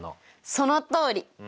そのとおり！